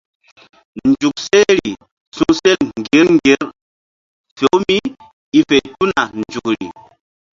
Nzuk sehri su̧sel ŋgir ŋgir fe-u mí i fe tuna nzukri.